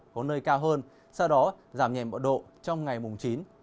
có nơi cao hơn sau đó giảm nhẹ một độ trong ngày mùng chín